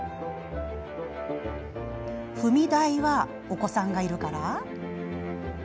踏み台は、お子さんがいるから？